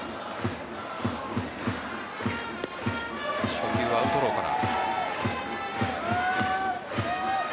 初球、アウトローから。